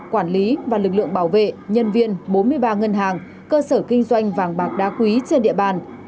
quản lý và lực lượng bảo vệ nhân viên bốn mươi ba ngân hàng cơ sở kinh doanh vàng bạc đá quý trên địa bàn